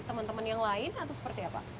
teman teman yang lain atau seperti apa